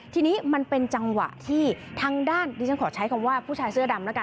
ทีนี้มันเป็นจังหวะที่ทางด้านดิฉันขอใช้คำว่าผู้ชายเสื้อดำแล้วกัน